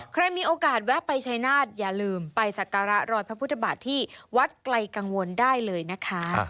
ใครมีโอกาสแวะไปชายนาฏอย่าลืมไปสักการะรอยพระพุทธบาทที่วัดไกลกังวลได้เลยนะคะ